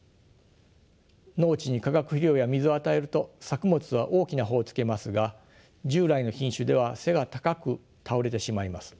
農地に化学肥料や水を与えると作物は大きな穂をつけますが従来の品種では背が高く倒れてしまいます。